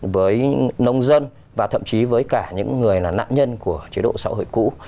với nông dân và thậm chí với cả những người là nạn nhân của chế độ xã hội cũ